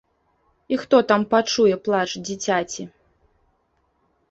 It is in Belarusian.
І хто там пачуе плач дзіцяці!